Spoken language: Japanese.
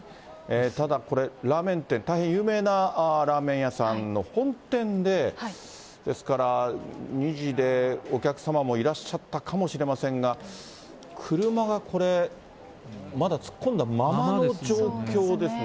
ただこれ、ラーメン店、大変有名なラーメン屋さんの本店で、ですから、２時でお客様もいらっしゃったかもしれませんが、車がこれ、まだ突っ込んだままの状況ですね。